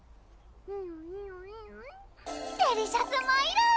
デリシャスマイル！